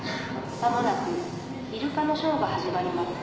間もなくイルカのショーが始まります。